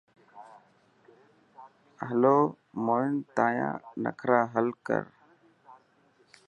هلو موهن تايانڪهڙا هال هي.